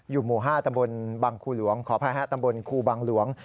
อยู่หมู่๕ตำบลบังคูหลวงขอพระฮะตำบลคูบังหลวง